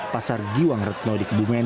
pasar giwang retno di kebumen